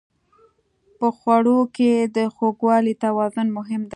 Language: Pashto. په خوړو کې د خوږوالي توازن مهم دی.